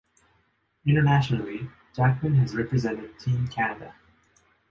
Internationally, Jackman has represented Team Canada.